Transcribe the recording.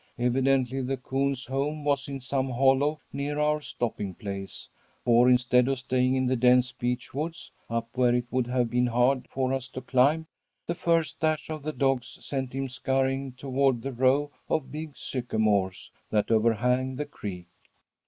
Evidently the coon's home was in some hollow near our stopping place, for instead of staying in the dense beech woods, up where it would have been hard for us to climb, the first dash of the dogs sent him scurrying toward the row of big sycamores that overhang the creek.